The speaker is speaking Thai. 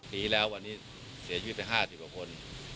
หนีแล้ววันนี้เสียชีวิตไป๕๐กว่าคน